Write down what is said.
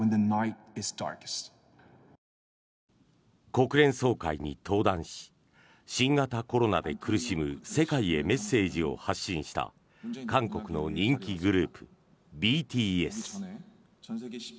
国連総会に登壇し新型コロナで苦しむ世界へメッセージを発信した韓国の人気グループＢＴＳ。